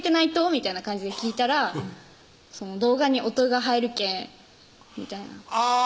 みたいな感じで聞いたら「動画に音が入るけん」みたいなあぁ